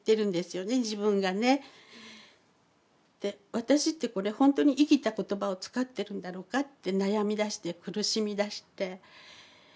私ってこれほんとに生きた言葉を使ってるんだろうかって悩みだして苦しみだして。